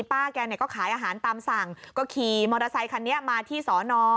ป้าแกเนี่ยก็ขายอาหารตามสั่งก็ขี่มอเตอร์ไซคันนี้มาที่สอนอ